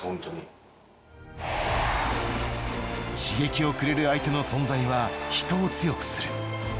刺激をくれる相手の存在は人を強くする。